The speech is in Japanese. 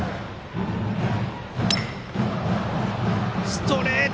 ストレート